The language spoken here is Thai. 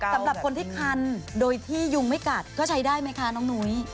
สำหรับคนที่คันโดยที่ยุงไม่กัดก็ใช้ได้ไหมคะน้องนุ้ย